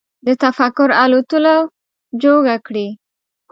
د تفکر الوتلو جوګه کړي